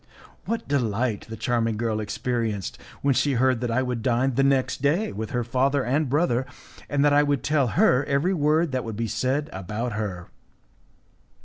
What delight the charming girl experienced when she heard that I would dine the next day with her father and brother, and that I would tell her every word that would be said about her!